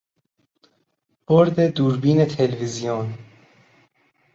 برد دوربین تلویزیون